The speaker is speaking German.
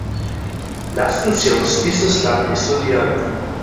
Lassen Sie uns dieses Land isolieren.